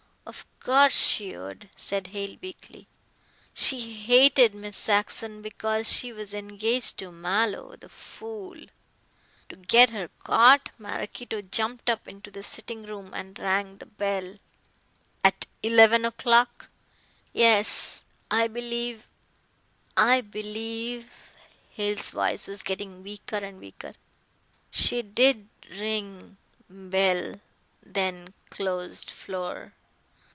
"Of course she would," said Hale weakly, "she hated Miss Saxon because she was engaged to Mallow, the fool. To get her caught, Maraquito jumped up into the sitting room and rang the bell." "At eleven o'clock?" "Yes, I believe I believe " Hale's voice was getting weaker and weaker. "She did ring bell then closed floor.